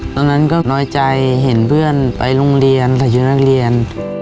ตอนนั้นก็น้อยใจเห็นเพื่อนไปโรงเรียนไปชุดนักเรียน